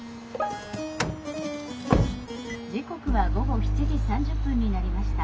「時刻は午後７時３０分になりました。